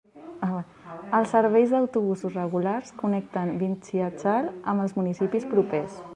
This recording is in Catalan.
Els serveis d'autobusos regulars connecten Vindhyachal amb els municipis propers.